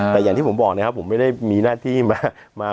แต่อย่างที่ผมบอกนะครับผมไม่ได้มีหน้าที่มา